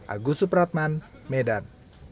agus supratman medan